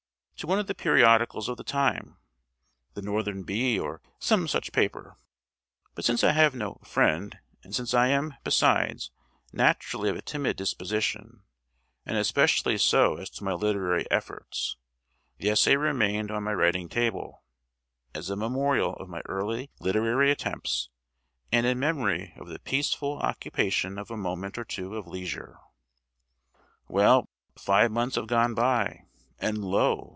to one of the periodicals of the time, "The Northern Bee," or some such paper. But since I have no "friend," and since I am, besides, naturally of a timid disposition, and especially so as to my literary efforts, the essay remained on my writing table, as a memorial of my early literary attempts and in memory of the peaceful occupation of a moment or two of leisure. Well, five months have gone by, and lo!